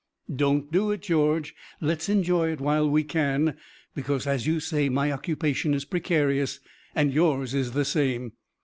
"Don't do it, George. Let's enjoy it while we can, because as you say my occupation is precarious and yours is the same."